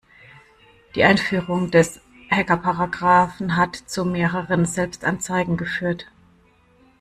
Die Einführung des Hackerparagraphen hat zu mehreren Selbstanzeigen geführt.